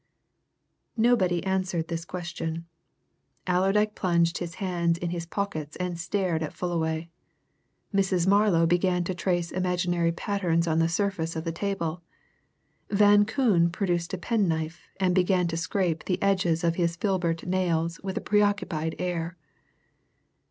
Nobody answered this question. Allerdyke plunged his hands in his pockets and stared at Fullaway; Mrs. Marlow began to trace imaginary patterns on the surface of the table; Van Koon produced a penknife and began to scrape the edges of his filbert nails with a preoccupied air.